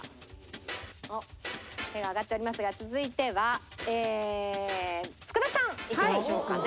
おっ手が上がっておりますが続いてはええー福田さんいきましょうかね。